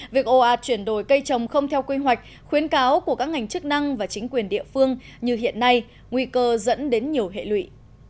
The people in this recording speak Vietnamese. việc ồ ạt chuyển đổi cây trồng không theo quy hoạch khuyến cáo của các ngành chức năng và chính quyền địa phương như hiện nay nguy cơ dẫn đến nhiều hệ lụy